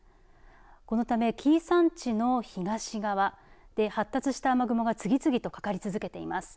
このため紀伊山地の東側で、発達した雨雲が次々とかかり続けています。